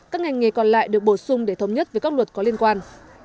các ngành nghề còn lại được bổ sung để thống nhất với các luật có liên quan